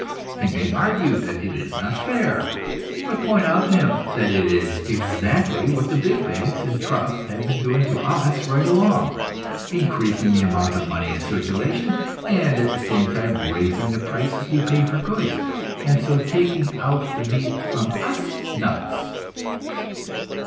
He may argue that it is not fair; but point out to him that it is exactly what the big banks and the trusts have been doing to us right along increasing the amount of money in circulation, and at the same time raising the prices we pay for goods, and so taking out the meat from us nuts!